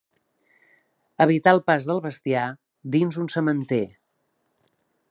Evitar el pas del bestiar dins un sementer.